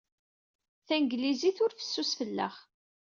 Tanglizit ur fessus fell-aɣ.